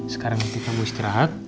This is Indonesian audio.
sekarang mesti kamu istirahat